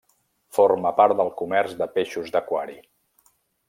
Forma part del comerç de peixos d'aquari.